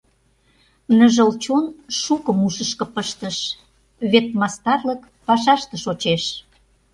Ныжыл чон шукым ушышко пыштыш, Вет мастарлык пашаште шочеш.